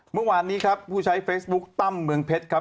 เมื่อวานนี้ครับผู้ใช้เฟซบุ๊กตั้มเมืองเพชรครับ